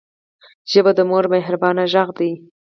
ژبه د مور مهربانه غږ دی